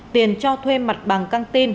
tiền cho thuê mặt bằng căng tin